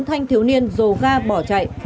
thanh thiếu niên dồ ga bỏ chạy